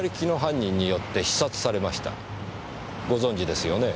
ご存じですよね？